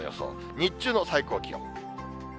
日中の最高気温。